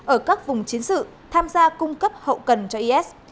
ở các vùng chiến sự tham gia cung cấp hậu cần cho is